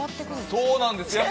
◆そうなんです。